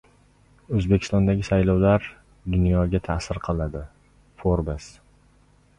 O‘zbekistondagi saylovlar dunyoga ta’sir qiladi — Forbes